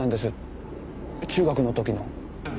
中学の時の。